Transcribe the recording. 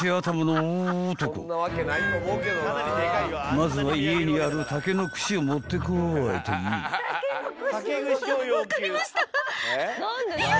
［まずは家にある竹の串を持ってこいという］わ分かりました。